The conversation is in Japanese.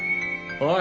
おい！